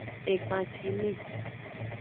Egbancine.